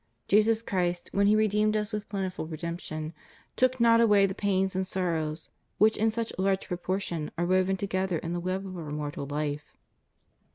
Jesus Christ, when He redeemed us with plentiful redemption, took not away the pains and sorrows which in such large proportion are woven together in the web of our mortal life.